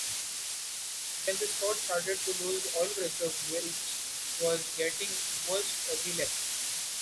Then the Scot started to lose oil pressure, which was getting worse every lap.